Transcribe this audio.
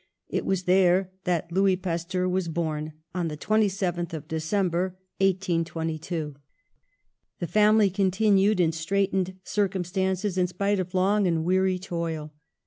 It was there that Louis Pasteur was born on the 27th of December, 1822. The family continued in straitened circum stances, in spite of long and weary toil.